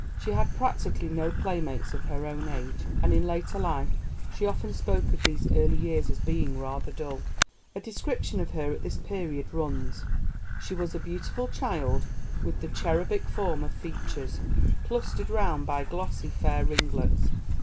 She had practically no playmates of her own age, and in later life she often spoke of these early years as being rather dull. A description of her at this period runs: "She was a beautiful child, with the cherubic form of features, clustered round by glossy, fair ringlets.